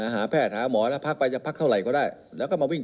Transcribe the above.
ห้าแพทย์ห้าม